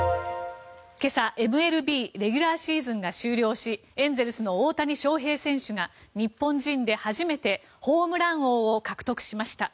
今朝、ＭＬＢレギュラーシーズンが終了しエンゼルスの大谷翔平選手が日本人で初めてホームラン王を獲得しました。